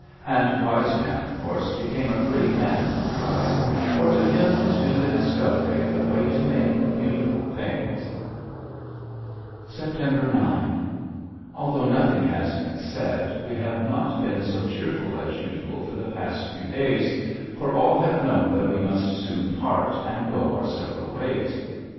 And Wise Man, of course, became a great man in the tribe, for to him was due the discovery of the way to make beautiful things." [Illustration: GLACIER ON TRAIL TO ICEBERG LAKE] September 9. Although nothing has been said, we have not been so cheerful as usual for the past few days, for all have known that we must soon part and go our several ways.